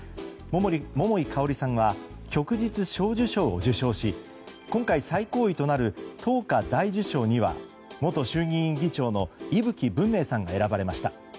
桃井かおりさんは旭日小綬章を受章し今回、最高位となる桐花大綬章には元衆議院議長の伊吹文明さんが選ばれました。